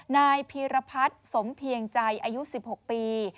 นายพีรพัฒน์สมเพียงใจอายุ๑๖ปี